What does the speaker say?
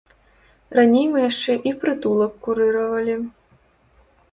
Раней мы яшчэ і прытулак курыравалі.